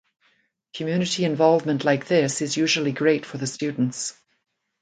Community involvement like this is usually great for the students